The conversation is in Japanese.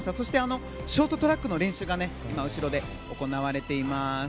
そしてショートトラックの練習が今、後ろで行われています。